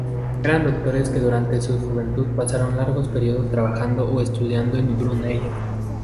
Eran doctores que durante su juventud pasaron largos periodos trabajando y estudiando en Brunei.